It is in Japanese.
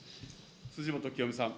辻元清美さん。